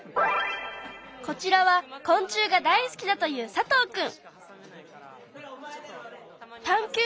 こちらは昆虫が大好きだという佐藤くん。